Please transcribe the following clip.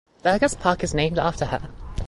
Burgess Park is named after her.